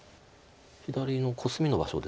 左のコスミの場所ですよね。